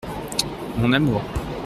Mon amour.